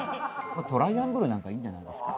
トライアングルなんかいいんじゃないですか？